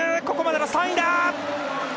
ここまでの３位だ！